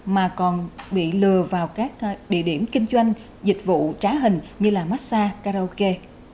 mà còn bị lừa vào các địa điểm kinh doanh dịch vụ trá hình như massage karaoke